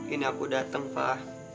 ini aku dateng alfah